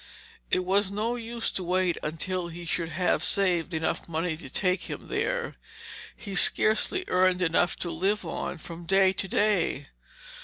It was no use to wait until he should have saved enough money to take him there. He scarcely earned enough to live on from day to day.